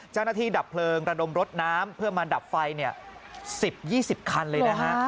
ดับเพลิงระดมรถน้ำเพื่อมาดับไฟ๑๐๒๐คันเลยนะฮะ